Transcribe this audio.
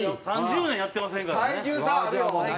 ３０年やってませんからね。